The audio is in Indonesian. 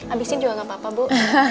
abisin juga gapapa bu